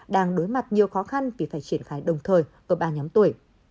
đang đối mặt nhiều khó khăn vì phải triển khai đồng thời ở ba nhóm tuổi